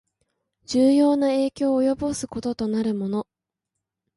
重要な影響を及ぼすこととなるもの